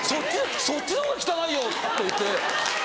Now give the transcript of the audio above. そっちのほうが汚いよ！って言って。